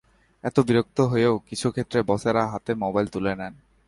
এতে বিরক্ত হয়েও কিছু ক্ষেত্রে বসেরা হাতে মোবাইল তুলে নেন।